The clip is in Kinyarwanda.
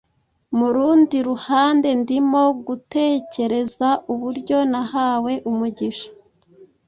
Mu rundi ruhande, ndimo gutekereza uburyo nahawe umugisha